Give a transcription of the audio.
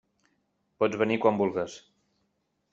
Pots venir quan vulgues.